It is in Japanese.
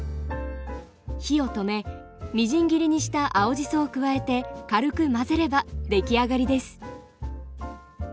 火を止めみじん切りにした青じそを加えて軽く混ぜればできあがりです。